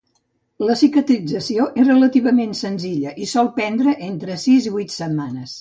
La cicatrització és relativament senzilla i sol prendre entre sis i vuit setmanes.